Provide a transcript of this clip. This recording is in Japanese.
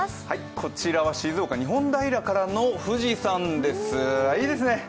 こちらは静岡・日本平からの富士山です。